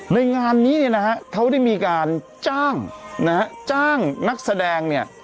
ในงานนี้เขาได้มีการจ้างจ้างนักแสดง